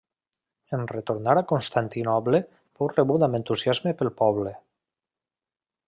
En retornar a Constantinoble fou rebut amb entusiasme pel poble.